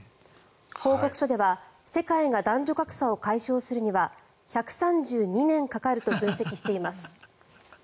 報告書では世界が男女格差を解消するには１３２年かかると分析しています。